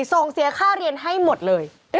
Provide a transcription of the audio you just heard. ส่งเสียค่าเรียนให้หมดเลย